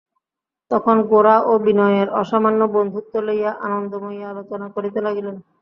তখন গোরা ও বিনয়ের অসামান্য বন্ধুত্ব লইয়া আনন্দময়ী আলোচনা করিতে লাগিলেন।